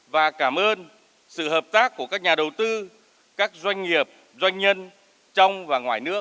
và cảm ơn sự hợp tác của các nhà đầu tư các doanh nghiệp doanh nhân trong và ngoài nước